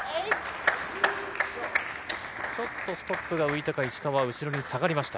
ちょっとストップが浮いたか、石川、後ろに下がりました。